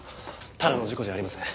ただの事故じゃありません。